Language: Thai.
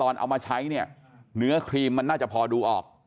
เนื้อครีมมันน่าจะพอดูออก